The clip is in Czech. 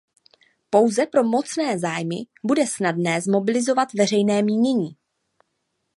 Pouze pro mocné zájmy bude snadné zmobilizovat veřejné mínění.